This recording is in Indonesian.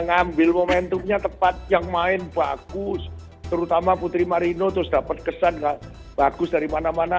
ngambil momentumnya tepat yang main bagus terutama putri marino terus dapat kesan gak bagus dari mana mana